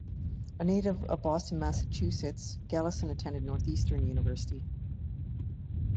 A native of Boston, Massachusetts, Gallison attended Northeastern University.